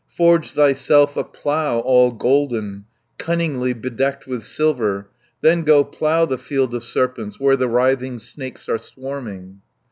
Forge thyself a plough all golden, Cunningly bedecked with silver, Then go plough the field of serpents, Where the writhing snakes are swarming."